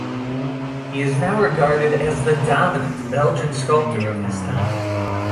He is now regarded as the dominant Belgian sculptor of his time.